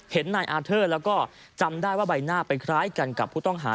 เห็นนายอาเทอร์แล้วก็จำได้ว่าใบหน้าไปคล้ายกันกับผู้ต้องหา